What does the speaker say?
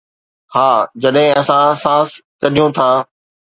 ها، جڏهن اسان سانس ڪڍيون ٿا